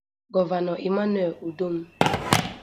Gọvanọ Emmanuel Udom